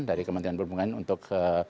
dari kementerian perhubungan untuk